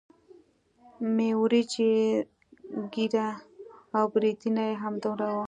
مۍ وريجې ږيره او برېتونه يې همدومره وو.